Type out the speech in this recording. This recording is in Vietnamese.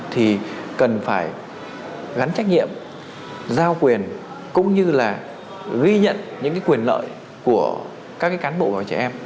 thì cần phải gắn trách nhiệm giao quyền cũng như là ghi nhận những quyền lợi của các cán bộ bảo trẻ em